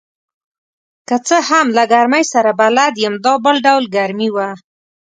که څه هم له ګرمۍ سره بلد یم، دا بل ډول ګرمي وه.